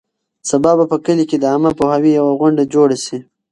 سبا به په کلي کې د عامه پوهاوي یوه غونډه جوړه شي.